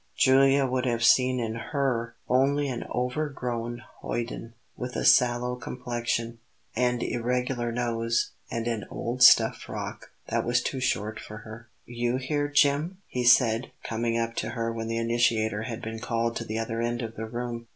(Julia would have seen in her only an overgrown hoyden, with a sallow complexion, an irregular nose, and an old stuff frock that was too short for her.) "You here, Jim!" he said, coming up to her when the initiator had been called to the other end of the room.